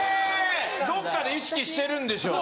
どっかで意識してるんでしょ